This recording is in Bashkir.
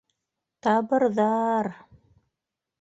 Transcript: Табырҙа-а-ар...